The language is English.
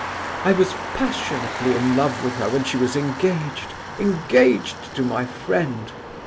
"I was passionately in love with her when she was engaged—engaged to my friend.